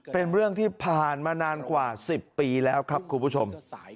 เป็นเรื่องที่ผ่านมานานกว่า๑๐ปีแล้วครับคุณผู้ชม